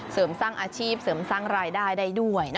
เสริมสร้างอาชีพเสริมสร้างรายได้ได้ด้วย